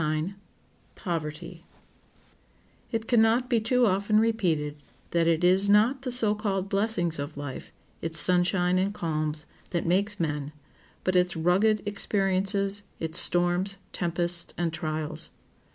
] It can not be too often repeated that it is not the so called blessings of life, its sunshine and calms, that makes men, but its rugged experiences, its storms, tempests, and trials.